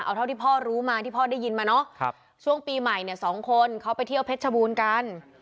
เอาเท่าที่พ่อรู้มาที่พ่อได้ยินมาเนอะช่วงปีใหม่เนี่ยสองคนเขาไปเที่ยวเพชรชบูรณ์กัน